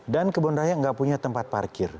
dan kebun raya nggak punya tempat parkir